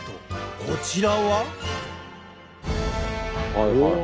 こちらは。